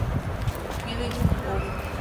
Hideyuki Hori